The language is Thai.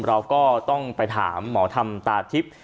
เราก็ต้องไปถามหมอธรรมตาทิพย์